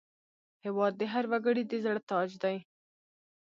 هېواد د هر وګړي د زړه تاج دی.